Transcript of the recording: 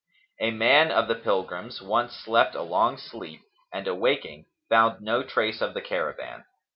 A man of the pilgrims once slept a long sleep and awaking, found no trace of the caravan.